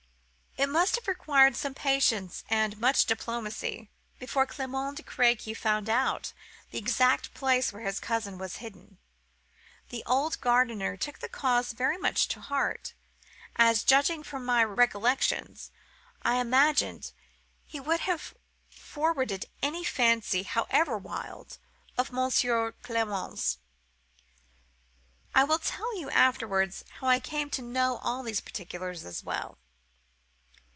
"It must have required some patience and much diplomacy, before Clement de Crequy found out the exact place where his cousin was hidden. The old gardener took the cause very much to heart; as, judging from my recollections, I imagine he would have forwarded any fancy, however wild, of Monsieur Clement's. (I will tell you afterwards how I came to know all these particulars so well.)